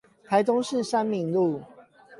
台中市三民路